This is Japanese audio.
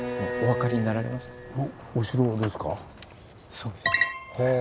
そうです。